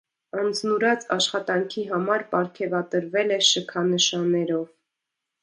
Անձնուրաց աշխատանքի համար պարգևատրվել է շքանշաններով։